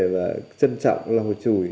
và trân trọng lò chùi